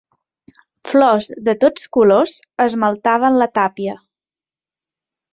Flors de tots colors esmaltaven la tàpia.